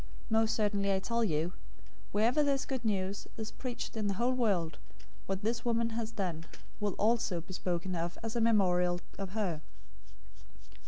026:013 Most certainly I tell you, wherever this Good News is preached in the whole world, what this woman has done will also be spoken of as a memorial of her."